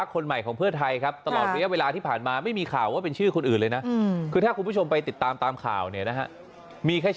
ใช่ค่ะไม่มีแล้วค่ะ